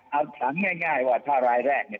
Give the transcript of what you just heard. เอาถามง่ายว่าถ้ารายแรกเนี่ย